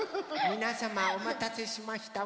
みなさまおまたせしました。